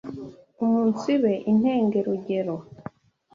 umunsibe intengerugero: